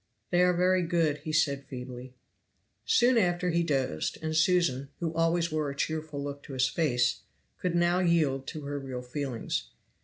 "They are very good," said he feebly. Soon after he dosed; and Susan, who always wore a cheerful look to his face, could now yield to her real feelings.